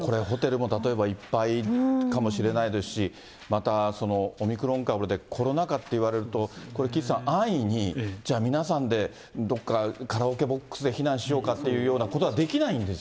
ホテルも例えばいっぱいかもしれないですし、またオミクロン株で、コロナ禍って言われると、岸さん、安易にじゃあ皆さんで、どっかカラオケボックスで避難しようかっていうようなことはできそう、